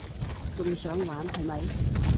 仲想玩係咪？